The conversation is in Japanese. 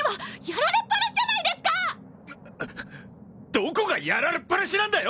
どこがやられっぱなしなんだよ！